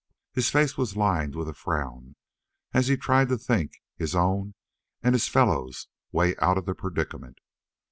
His face was lined with a frown as he tried to think his own and his fellows' way out of the predicament.